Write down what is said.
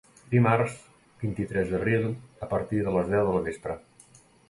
Dimarts, vint-i-tres d’abril a partir de les deu del vespre.